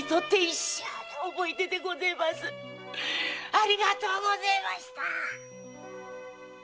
ありがとうごぜえました！